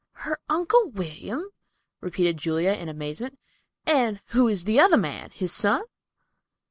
"Her Uncle William!" repeated Julia, in amazement. "And who is the other man? His son?"